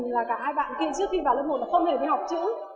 và vào đây học